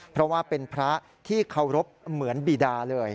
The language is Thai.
เพราะว่าเป็นพระที่เคารพเหมือนบีดาเลย